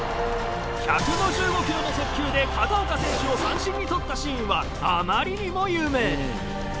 １５５ｋｍの速球で片岡選手を三振に取ったシーンはあまりにも有名。